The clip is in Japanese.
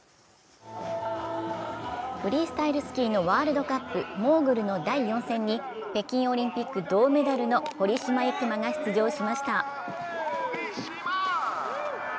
フリースタイルスキーのワールドカップ、モーグルの第４戦に北京オリンピック銅メダルの堀島行真が出場しました。